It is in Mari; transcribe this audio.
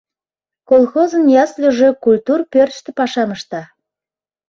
Колхозын ясльыже культур пӧртыштӧ пашам ышта.